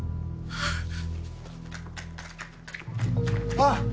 あっ。